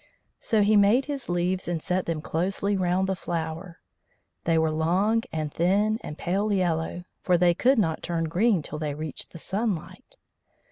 So he made his leaves and set them closely round the flower. They were long and thin and pale yellow, for they could not turn green till they reached the sunlight.